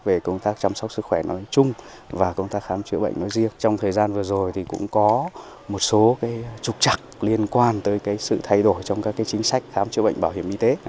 về công tác chăm sóc sức khỏe nói chung và công tác khám chữa bệnh nói riêng trong thời gian vừa rồi thì cũng có một số trục chặt liên quan tới sự thay đổi trong các chính sách khám chữa bệnh bảo hiểm y tế